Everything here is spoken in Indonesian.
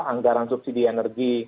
anggaran subsidi energi